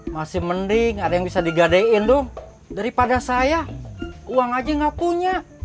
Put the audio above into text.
masih mending ada yang bisa digadaiin dong daripada saya uang aja gak punya